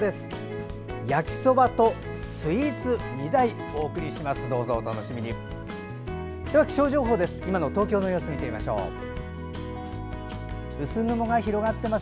焼きそばとスイーツ、２品ご紹介します。